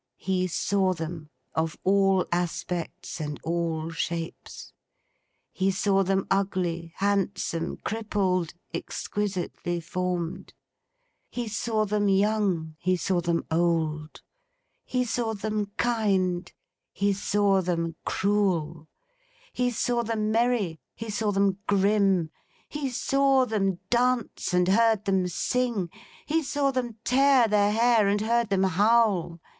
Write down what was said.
He saw them, of all aspects and all shapes. He saw them ugly, handsome, crippled, exquisitely formed. He saw them young, he saw them old, he saw them kind, he saw them cruel, he saw them merry, he saw them grim; he saw them dance, and heard them sing; he saw them tear their hair, and heard them howl.